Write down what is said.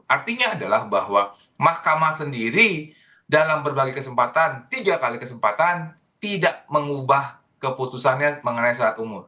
artinya adalah bahwa mahkamah sendiri dalam berbagai kesempatan tiga kali kesempatan tidak mengubah keputusannya mengenai syarat umur